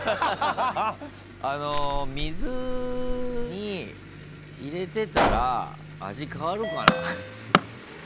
水に入れてたら味変わるかな？